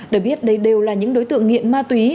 được biết đây đều là những đối tượng nghiện ma túy